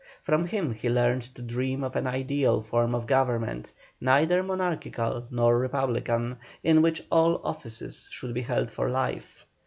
From him he learned to dream of an ideal form of government, neither monarchical nor republican, in which all offices should be held for life.